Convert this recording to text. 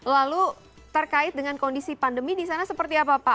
lalu terkait dengan kondisi pandemi di sana seperti apa pak